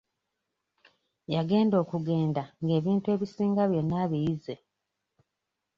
Yagenda okugenda nga ebintu ebisinga byonna abiyize.